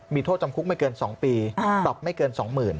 มีโทษจำคุกไม่เกิน๒ปีปรับไม่เกิน๒๐๐๐